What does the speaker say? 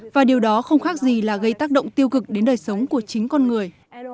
và điều đó không khác gì là gây tác động tiêu cực đến đời sống của chính con người